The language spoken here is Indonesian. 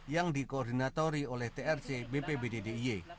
yang dikoordinatori oleh trc bpbd d i e